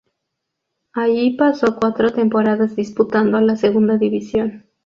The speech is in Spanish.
Allí, pasó cuatro temporadas disputando la Segunda División.